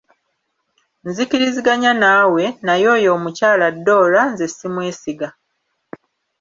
Nzikiriziganya naawe, naye oyo omukyala Dora nze simwesiga.